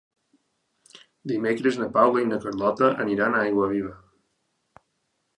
Dimecres na Paula i na Carlota aniran a Aiguaviva.